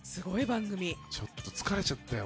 ちょっと疲れちゃったよ